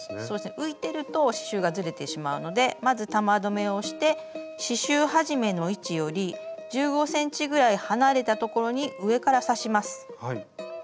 浮いてると刺しゅうがずれてしまうのでまず玉留めをして刺しゅう始めの位置より１５ｃｍぐらい離れたところに上から刺します。